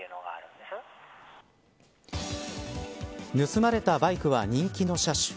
盗まれたバイクは人気の車種。